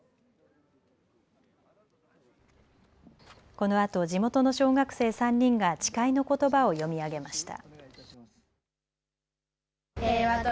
このあと地元の小学生３人が誓いのことばを読み上げました。